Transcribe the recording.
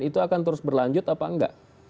itu akan terus berlanjut apa enggak